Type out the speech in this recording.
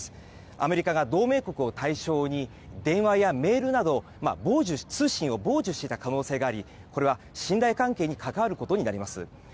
アメリカが同盟国を対象に電話やメールなど通信を傍受していた可能性があり、これは信頼関係に関わることです。